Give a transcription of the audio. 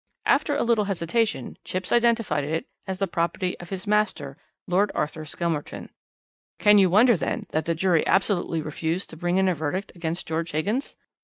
After a little hesitation Chipps identified it as the property of his master, Lord Arthur Skelmerton. "Can you wonder, then, that the jury absolutely refused to bring in a verdict against George Higgins?